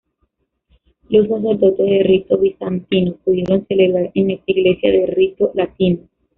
Los sacerdotes de rito bizantino pudieron celebrar en esa iglesia de rito latino.